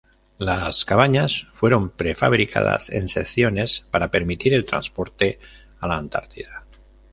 Las cabañas fueron prefabricadas en secciones para permitir el transporte a la Antártida.